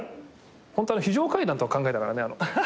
ホントは非常階段とか考えたからね。